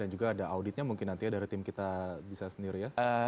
juga ada auditnya mungkin nanti ya dari tim kita bisa sendiri ya